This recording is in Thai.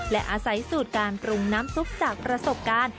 และอาศัยสูตรการปรุงน้ำซุปจากประสบการณ์